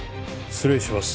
失礼します。